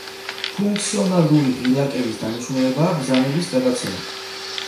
ფუნქციონალური ღილაკების დანიშნულებაა ბრძანების გადაცემა.